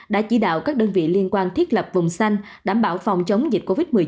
đã chỉ đạo các đơn vị liên quan thiết lập vùng xanh đảm bảo phòng chống dịch covid một mươi chín